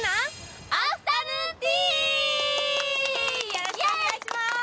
よろしくお願いします！